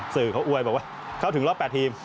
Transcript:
สื่อเขาอวยบอกว่าเข้าถึงรอบ๘ทีม